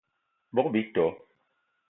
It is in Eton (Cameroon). Bogb-ito